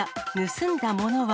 盗んだものは？